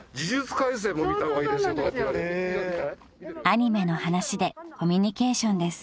［アニメの話でコミュニケーションです］